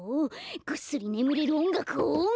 ぐっすりねむれるおんがくをオン！